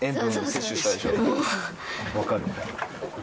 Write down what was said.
分かる。